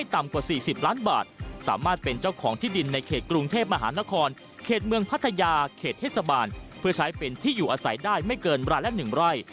ที่ใช้เป็นที่อยู่อาศัยได้ไม่เกินราดและหนึ่งไร